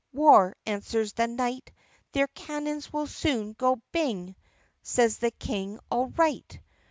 "War," answers the knight. "Their cannons will soon go bing /" Says the King, "All right."